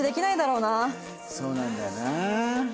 そうなんだよな。